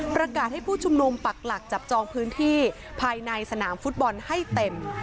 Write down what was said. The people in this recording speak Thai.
ให้ผู้ชุมนุมปักหลักจับจองพื้นที่ภายในสนามฟุตบอลให้เต็ม